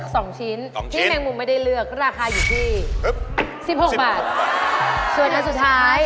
ส่วนมาสุดท้าย๑๖บาท